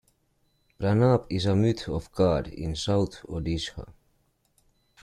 Pranab is a myth of god in south odisha.